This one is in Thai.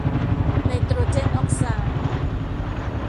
ไนโตรเจนออกไซด์